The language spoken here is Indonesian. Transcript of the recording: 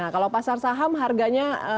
kalau pasar saham harganya